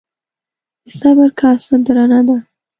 د صبر کاسه درنه ده.